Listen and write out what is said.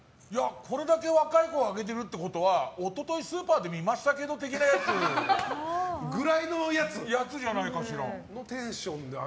これだけ若い子が上げてるってことは一昨日、スーパーで見ましたけど的なやつそれぐらいのやつじゃないかしら。